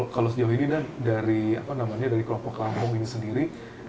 kalau sejauh ini dari kelompok lampung ini sendiri